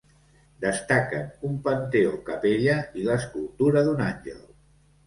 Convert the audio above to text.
Destaquen un panteó-capella i l'escultura d'un àngel.